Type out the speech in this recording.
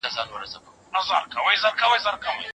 لوستې میندې د ماشومانو د روغ چاپېریال ساتنه کوي.